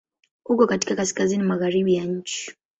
Uko katika Kaskazini magharibi ya nchi.